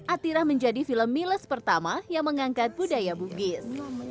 atira menjadi film miles pertama yang mengangkat budaya bugis